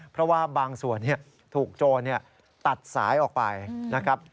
เพราะว่าบางส่วนถูกโจรตัดสายออกไปนะครับ